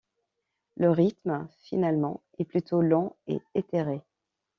Le rythme, finalement, est plutôt lent et éthéré.